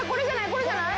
これじゃない？